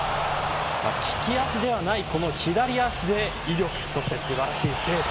利き足ではない、この左足で威力、そして素晴らしい精度。